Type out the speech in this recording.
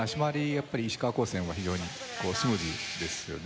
やっぱり石川高専は非常にスムーズですよね。